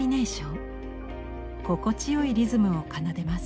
心地よいリズムを奏でます。